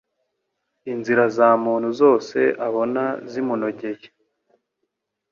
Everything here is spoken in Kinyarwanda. Inzira za muntu zose abona zimunogeye